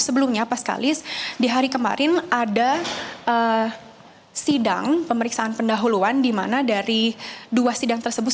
sebelumnya pas kalis di hari kemarin ada sidang pemeriksaan pendahuluan di mana dari dua sidang tersebut